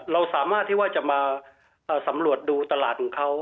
เราสามารถที่ว่าจะมาสำรวจดูตลาดของเขา